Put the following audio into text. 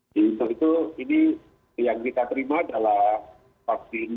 jadi untuk itu ini yang kita terima adalah vaksin